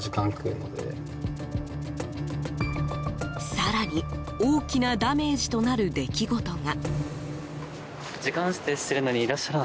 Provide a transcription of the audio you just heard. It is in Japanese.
更に、大きなダメージとなる出来事が。